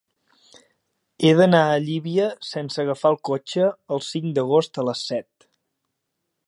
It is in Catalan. He d'anar a Llívia sense agafar el cotxe el cinc d'agost a les set.